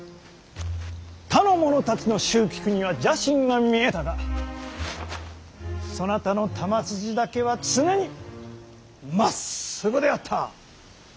他の者たちの蹴鞠には邪心が見えたがそなたの球筋だけは常にまっすぐであった。